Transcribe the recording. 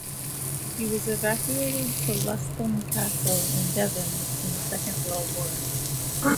He was evacuated to Luscombe Castle in Devon in the Second World War.